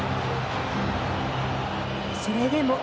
それでも。